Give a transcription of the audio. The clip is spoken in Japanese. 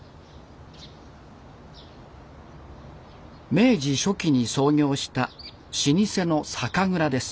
明治初期に創業した老舗の酒蔵です。